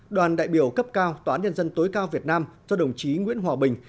đoàn đại biểu cấp cao tòa án nhân dân tối cao việt nam do đồng chí nguyễn hòa bình